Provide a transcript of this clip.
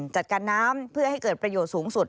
จัดการน้ำเพื่อให้เกิดประโยชน์สูงสุด